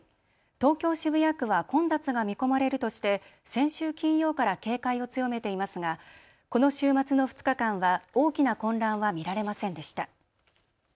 東京渋谷区は混雑が見込まれるとして先週金曜から警戒を強めていますがこの週末の２日間は大きな混乱は見られませんでした。